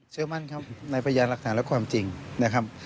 เชื่อมั่นครับในพยานหลักฐานและความจริงนะครับ